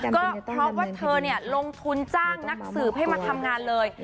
ก็เพราะว่าเธอลงทุนจ้างนักสืบให้มาทำงานเลย